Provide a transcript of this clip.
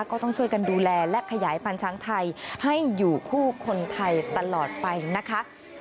ก็ต้องช่วยกันดูแลและขยายพันธุ์ช้างไทยให้อยู่คู่คนไทยตลอดไปนะคะ